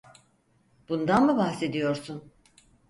Bundan mı bahsediyorsun?